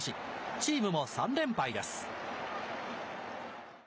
チームも３連敗です。